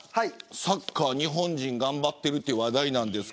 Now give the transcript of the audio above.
サッカー日本人頑張っているという話題です。